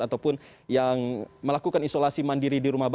ataupun yang melakukan isolasi mandiri di rumah